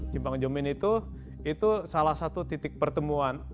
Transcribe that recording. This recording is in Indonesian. simpang jomin itu itu salah satu titik pertemuan